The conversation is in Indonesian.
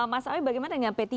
mas awi bagaimana dengan p tiga